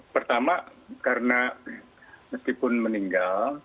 pertama karena meskipun meninggal